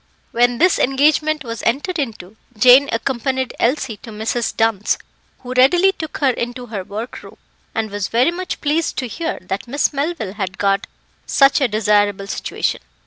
When this engagement was entered into Jane accompanied Elsie to Mrs. Dunn's, who readily took her into her work room, and was very much pleased to hear that Miss Melville had got such a desirable situation.